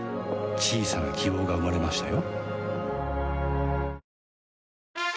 小さな希望が生まれましたよ